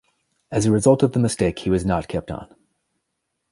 As a result of the mistake he was not kept on.